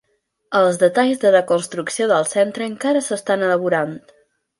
Els detalls de la construcció del centre encara s'estan elaborant